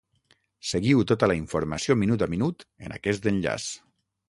Seguiu tota la informació minut a minut en aquest enllaç.